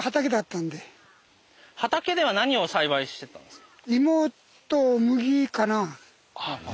畑では何を栽培してたんですか？